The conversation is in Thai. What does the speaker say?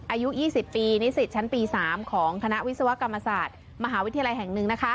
อายุ๒๐ปีนิสิตชั้นปี๓ของคณะวิศวกรรมศาสตร์มหาวิทยาลัยแห่ง๑